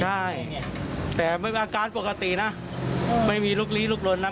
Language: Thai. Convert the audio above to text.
ใช่แต่กลางตาปกติไม่มีลุกลี้ลุกรน